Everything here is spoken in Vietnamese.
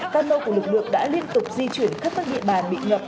các nô của lực lượng đã liên tục di chuyển khắp các địa bàn bị ngập